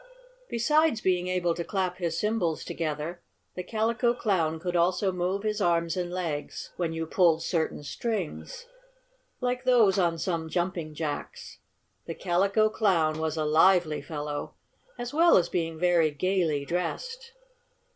Besides being able to clap his cymbals together, the Calico Clown could also move his arms and legs when you pulled certain strings, like those on some Jumping Jacks. The Calico Clown was a lively fellow, as well as being very gaily dressed.